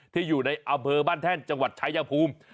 ที่อยู่ในอำเภอบ้านแท่นจังหวัดชายภูมิ